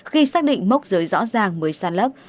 khi xác định mốc giới rõ ràng mới san lấp